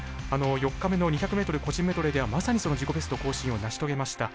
４日目の２００ｍ個人メドレーではまさにその自己ベスト更新を成し遂げました。